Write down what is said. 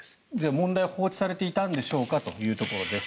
問題は放置されていたんでしょうかというところです。